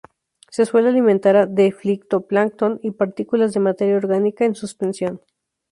Se suele alimentar de fitoplancton y de partículas de materia orgánica en suspensión.